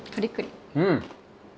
うん！